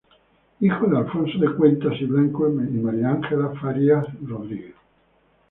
Hijo de Alonso de Cuentas y Blanco y María Ángela Farías Rodríguez.